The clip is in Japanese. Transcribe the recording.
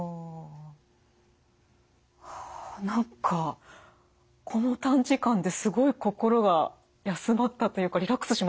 はあ何かこの短時間ですごい心が休まったというかリラックスしましたよね。